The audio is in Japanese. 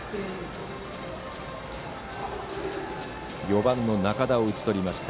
４番、仲田を打ち取りました。